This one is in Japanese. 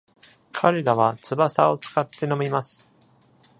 彼らは翼を使って飲みます。